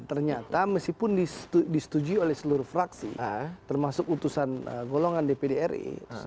ternyata meskipun disetujui oleh seluruh fraksi termasuk utusan golongan dpd ri